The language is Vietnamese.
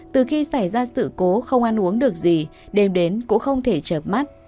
từ khi xảy ra sự cố không ăn uống được gì đêm đến cũng không thể chập mắt